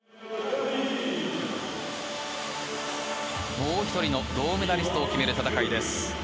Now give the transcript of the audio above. もう１人の銅メダリストを決める戦いです。